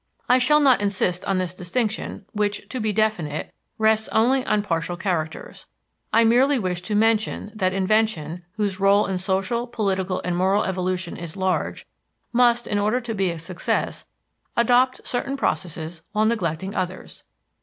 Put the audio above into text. I shall not insist on this distinction, which, to be definite, rests only on partial characters; I merely wish to mention that invention, whose rôle in social, political and moral evolution is large, must, in order to be a success, adopt certain processes while neglecting others.